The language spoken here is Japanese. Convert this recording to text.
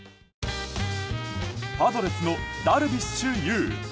パドレスのダルビッシュ有。